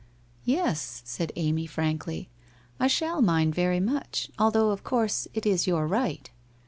' Yes/ said Amy, frankly, ' I shall mind very much, al though of course it is your right.'